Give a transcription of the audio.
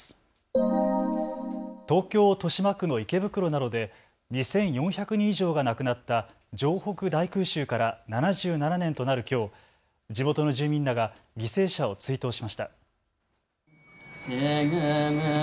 東京豊島区の池袋などで２４００人以上が亡くなった城北大空襲から７７年となるきょう、地元の住民らが犠牲者を追悼しました。